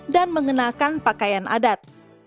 dan mengenakan pakaian adat